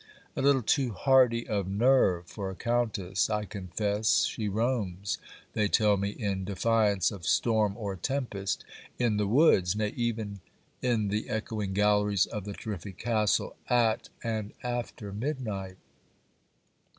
A little too hardy of nerve for a Countess, I confess, she roams, they tell me, in defiance of storm or tempest, in the woods, nay even in the echoing galleries of the terrific castle, at and after midnight.